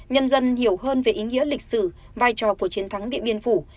nhân dân hiểu hơn về ý nghĩa lịch sử vai trò của chiến thắng điện biên phủ